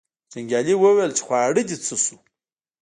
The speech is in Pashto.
جنګیالي وویل چې خواړه دې څه شو.